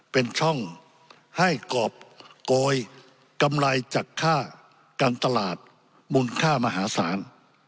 เป็นช่องให้กรอบโกยกำไรจากค่าการตลาดมูลค่ามหาศาล